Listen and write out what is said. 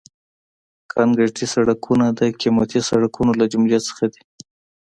کانکریټي سړکونه د قیمتي سړکونو له جملې څخه دي